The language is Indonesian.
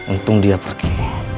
untung dia pergi